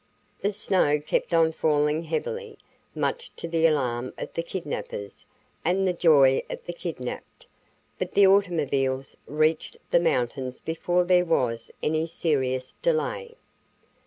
The snow kept on falling heavily, much to the alarm of the kidnappers and the joy of the kidnapped, but the automobiles reached the mountains before there was any serious delay.